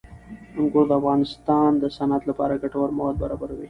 انګور د افغانستان د صنعت لپاره ګټور مواد برابروي.